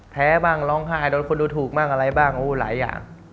แพ้บ้างร้องไห้โดนคนดูถูกบ้างอะไรบ้างหลายอย่าง